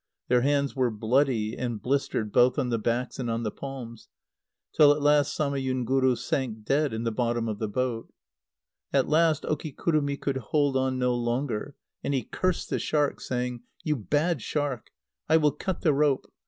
Their hands were bloody and blistered both on the backs and on the palms, till at last Samayunguru sank dead in the bottom of the boat. At last Okikurumi could hold on no longer, and he cursed the shark, saying: "You bad shark! I will cut the rope.